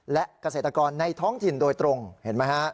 และเกษตรกรในท้องถิ่นโดยตรงเห็นไหมฮะ